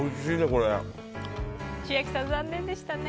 千秋さん、残念でしたね。